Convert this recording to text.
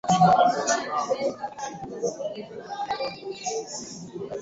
Mwanamke naye kamuuliza, tangu lini wayahudi na wasamaria tukashikamana?